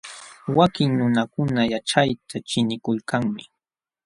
Wakin nunakuna yaćhayta ćhiqnikulkanmi.